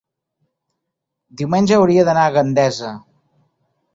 diumenge hauria d'anar a Gandesa.